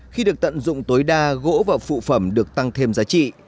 khi được tận dụng tối đa gỗ và phụ phẩm được tăng thêm giá trị